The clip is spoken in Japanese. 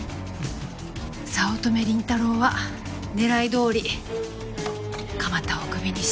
早乙女倫太郎は狙い通り蒲田をクビにした。